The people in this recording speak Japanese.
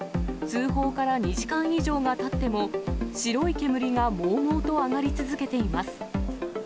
通報から２時間以上がたっても、白い煙がもうもうと上がり続けています。